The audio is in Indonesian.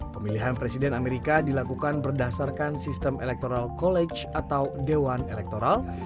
pemilihan presiden amerika dilakukan berdasarkan sistem electoral college atau dewan elektoral